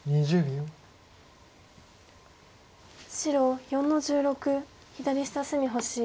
白４の十六左下隅星。